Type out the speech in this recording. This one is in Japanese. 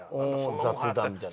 雑談みたいな。